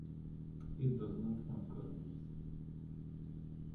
It does not form colonies.